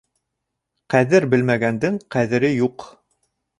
Ҡәҙер белмәгәндең ҡәҙере юҡ.